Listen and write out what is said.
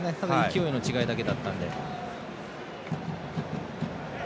勢いの違いだけだったので。